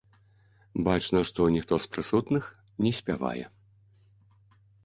Бачна, што ніхто з прысутных не спявае.